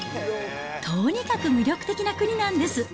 とにかく魅力的な国なんです。